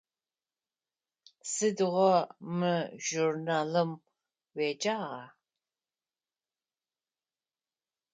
Сыдигъо мы журналым уеджагъа?